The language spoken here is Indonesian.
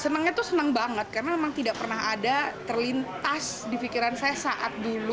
senangnya tuh senang banget karena memang tidak pernah ada terlintas di pikiran saya saat dulu